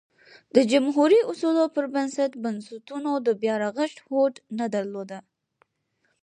د جمهوري اصولو پر بنسټ بنسټونو د بیا رغښت هوډ نه درلود